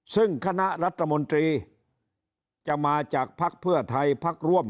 ซึ่งคณะรัฐมนตรีจะมาจากภักดิ์เพื่อไทยพักร่วม